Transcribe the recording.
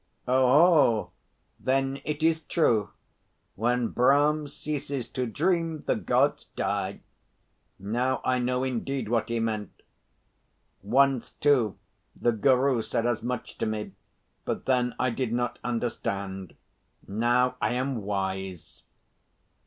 "Oho! Then it is true. 'When Brahm ceases to dream, the Gods die.' Now I know, indeed, what he meant. Once, too, the guru said as much to me; but then I did not understand. Now I am wise."